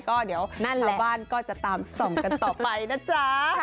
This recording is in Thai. ก็เดี๋ยวชาวบ้านก็จะตามส่องกันต่อไปนะจ๊ะ